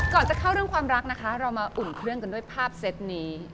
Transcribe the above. ก่อนจะเข้าเรื่องความรักนะคะเรามาอุ่นเครื่องกันด้วยภาพเซตนี้